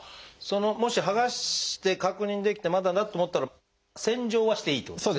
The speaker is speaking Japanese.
もし剥がして確認できてまだだと思ったら洗浄はしていいってことですね。